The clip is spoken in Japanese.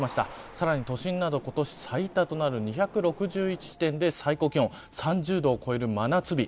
さらに都心など今年最多となる２６１地点で最高気温３０度を超える真夏日。